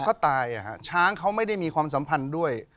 ก็ตายช้างเขาไม่ได้มีความสัมพันธ์ด้วย